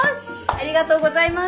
ありがとうございます！